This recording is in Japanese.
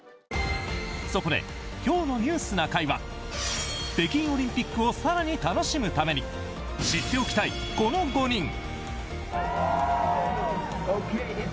そこで今日の「ニュースな会」は北京オリンピックを更に楽しむために知っておきたい、この５人。